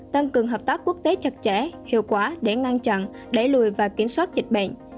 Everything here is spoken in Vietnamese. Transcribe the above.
tăng cường hợp tác quốc tế chặt chẽ hiệu quả để ngăn chặn đẩy lùi và kiểm soát dịch bệnh